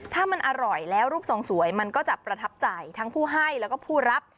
ถ้ามันอร่อยแล้วรูปทรงสวยมันก็จะประทับใจทั้งผู้ให้แล้วก็ผู้รับ